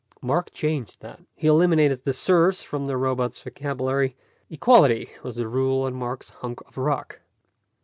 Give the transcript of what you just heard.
Mark changed that. He eliminated the "sirs" from the robot's vocabulary; equality was the rule on Mark's hunk of rock.